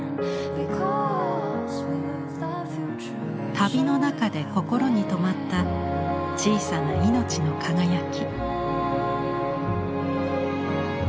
旅の中で心に留まった小さな命の輝き。